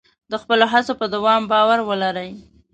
د خپلو هڅو په دوام باور ولرئ.